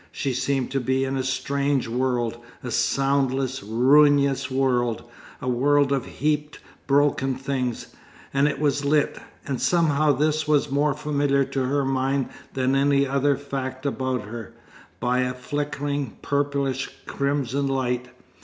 She seemed to be in a strange world, a soundless, ruinous world, a world of heaped broken things. And it was lit—and somehow this was more familiar to her mind than any other fact about her—by a flickering, purplish crimson light.